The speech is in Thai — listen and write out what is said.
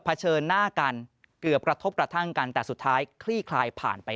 เฉินหน้ากันเกือบกระทบกระทั่งกันแต่สุดท้ายคลี่คลายผ่านไป